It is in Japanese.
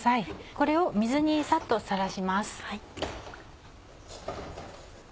これを水にサッとさらします。